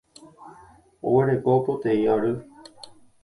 Oguereko poteĩ ary.